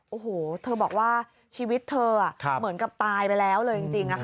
โอ้โหเธอบอกว่าชีวิตเธอเหมือนกับตายไปแล้วเลยจริง